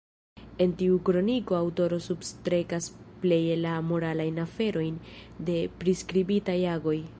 En tiu kroniko aŭtoro substrekas pleje la moralajn aferojn de priskribitaj agoj.